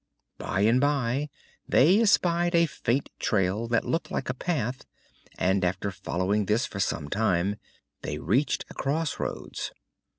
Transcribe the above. By and by they espied a faint trail that looked like a path and after following this for some time they reached a crossroads.